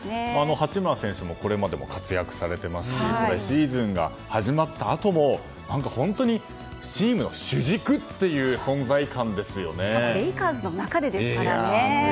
八村選手もこれまでも活躍されていますしシーズンが始まったあとも本当にチームの主軸というしかもレイカーズの中でですからね。